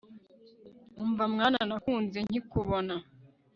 umva mwana nakunze nkikubona